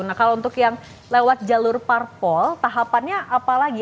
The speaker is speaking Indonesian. nah kalau untuk yang lewat jalur parpol tahapannya apa lagi